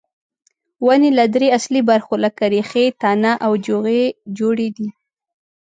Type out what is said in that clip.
ونې له درې اصلي برخو لکه ریښې، تنه او جوغې جوړې دي.